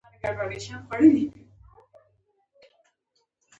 د سیول انجنیری ټولنه تر ټولو پخوانۍ ده.